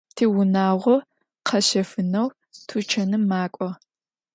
Tiunağo kheşefeneu tuçanım mak'o.